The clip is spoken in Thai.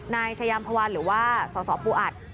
นายฉยามพะวานหรือว่าสสปูอัตร